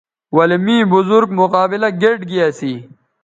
ولے می بزرگ مقابلہ گیئٹ گی اسی